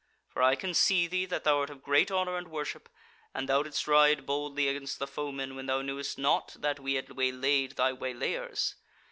For I can see thee, that thou art of great honour and worship, and thou didst ride boldly against the foemen when thou knewest not that we had waylaid thy waylayers.